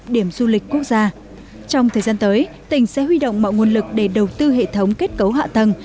điểm du lịch quốc gia trong thời gian tới tỉnh sẽ huy động mọi nguồn lực để đầu tư hệ thống kết cấu hạ tầng